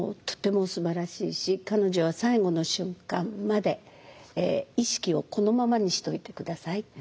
とてもすばらしいし彼女は最後の瞬間まで意識をこのままにしといて下さい。